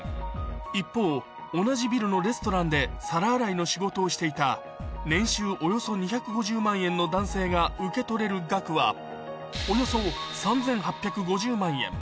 一方同じビルのレストランで皿洗いの仕事をしていた年収およそ２５０万円の男性が受け取れる額はおよそ３８５０万円